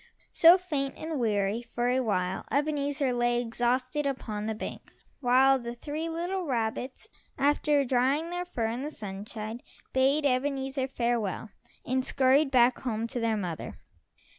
So, faint and weary, for a while Ebenezer lay exhausted upon the bank, while the three little rabbits, after drying their fur in the sunshine, bade Ebenezer farewell and scurried back home to their mother.